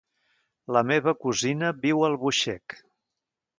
La meva cosina viu a Albuixec.